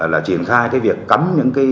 là triển khai cái việc cấm những cái